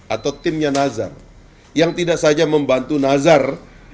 atau timnya nazar yang tidak saja membantu nazar